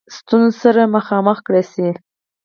ستونزو سره مخامخ کړه سي.